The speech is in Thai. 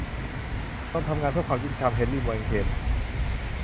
จงทำงานเพื่อความยุติธรรม - เฮนรี เมงเคน